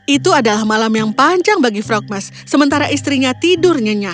itu adalah malam yang panjang bagi frogmas sementara istrinya tidur nyenyak